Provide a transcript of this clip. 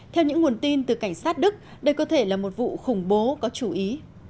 theo những nguồn tin từ cảnh sát đức đây có thể là một vụ khủng bố có chú ý